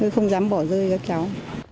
không dám bỏ rơi các cháu